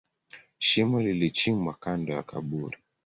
Shimo lilichimbwa kando ya kaburi.